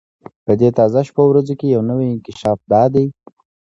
په دې تازه شپو ورځو کې یو نوی انکشاف دا دی.